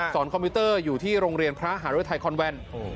คอมพิวเตอร์อยู่ที่โรงเรียนพระหารุทัยคอนแวน